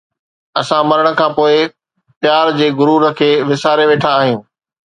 اسان مرڻ کان پوءِ پيار جي غرور کي وساري ويٺا آهيون